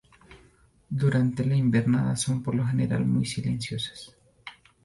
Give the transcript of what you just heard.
Durante la invernada son por lo general muy silenciosas.